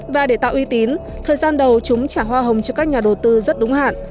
và để tạo uy tín thời gian đầu chúng trả hoa hồng cho các nhà đầu tư rất đúng hạn